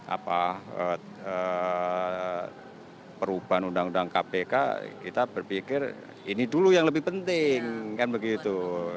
apa perubahan undang undang kpk kita berpikir ini dulu yang lebih penting kan begitu